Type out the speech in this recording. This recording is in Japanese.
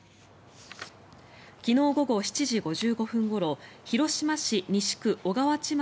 昨日午後７時５５分ごろ広島市西区小河内町